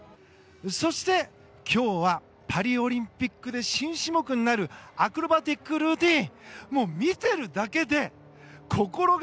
そして今日はパリオリンピックで新種目になるアクロバティックルーティン。